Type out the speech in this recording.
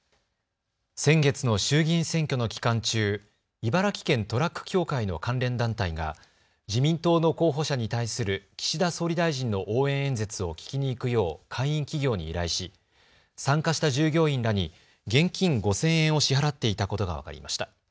先月の衆議院選挙の期間中、茨城県トラック協会の関連団体が自民党の候補者に対する岸田総理大臣の応援演説を聴きに行くよう会員企業に依頼し参加した従業員らに現金５０００円を支払っていたことが分かりました。